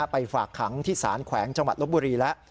ไปฝากขังที่สารแขวงจังหวัดลบบุรีแล้ว